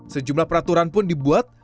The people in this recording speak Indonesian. sejumlah peraturan pun dibuat